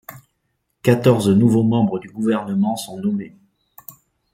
Quatorze nouveaux membres du gouvernement sont nommés.